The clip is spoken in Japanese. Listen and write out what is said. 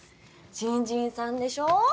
新人さんでしょー？